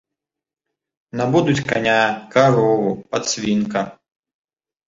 Набудуць каня, карову, падсвінка.